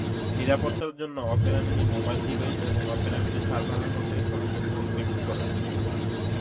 নিরাপত্তার জন্য Opera mini mobile device এবং অপেরা মিনি সার্ভারের মধ্যের সংযোগ এনক্রিপ্ট করে।